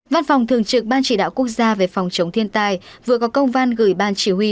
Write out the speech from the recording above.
văn phòng thường trực ban chỉ đạo quốc gia về phòng chống thiên tai vừa có công văn gửi ban chỉ huy